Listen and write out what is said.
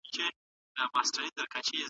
د ماشومانو د کار د مخنیوي لپاره قوانین نه وو.